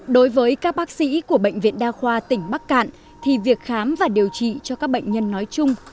đối với các bác sĩ của bệnh viện đa khoa tỉnh bắc cạn thì việc khám và điều trị cho các bệnh nhân nói chung